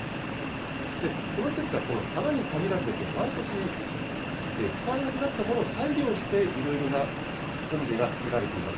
この施設では花にかぎらず、毎年、使われなくなったものを再利用して、いろいろなオブジェが作られています。